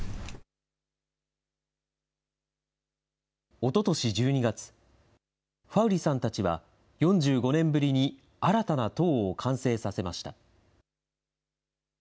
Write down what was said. おととし１２月、ファウリさんたちは４５年ぶりに新たな塔を完成させました。